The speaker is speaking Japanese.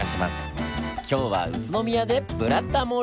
今日は宇都宮で「ブラタモリ」！